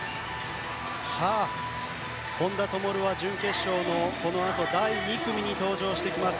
本多灯は準決勝のこのあと第２組に登場します。